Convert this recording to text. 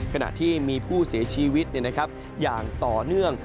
ขณะที่มีผู้เสียชีวิตอย่างต่อเนื่อง